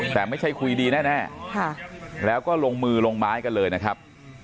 แต่ไม่ใช่คุยดีแน่แล้วก็ลงมือลงไม้กันเลยนะครับ